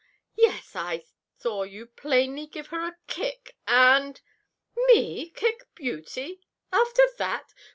"Yes! I saw you plainly give her a kick, and " "Me kick Beauty! after that!